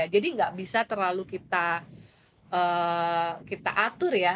jadi nggak bisa terlalu kita atur ya